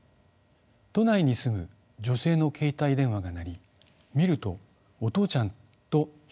都内に住む女性の携帯電話が鳴り見ると「お父ちゃん」と表示されていました。